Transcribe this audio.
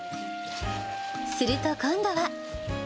すると今度は。